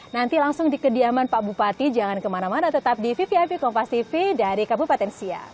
nanti langsung di kediaman pak bupati jangan kemana mana tetap di vvip kompas tv dari kabupaten siak